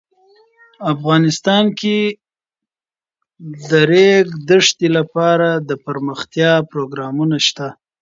افغانستان کې د د ریګ دښتې لپاره دپرمختیا پروګرامونه شته.